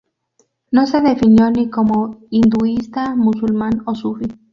No se definió ni como hinduista, musulmán o sufi.